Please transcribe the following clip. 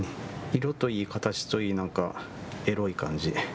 色といい形といい何かエロい感じ。